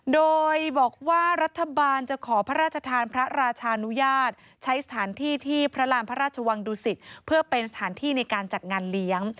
โดยบอกว่ารัฐบาลจะขอพระราชทานพระราชานุญาตใช้สถานที่ที่พระรามพระราชวังดุสิตเพื่อเป็นสถานที่ในการจัดงานเลี้ยง